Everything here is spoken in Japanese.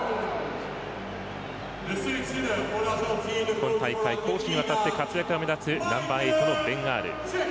今大会、攻守にわたって活躍が見られるナンバーエイトのベン・アール。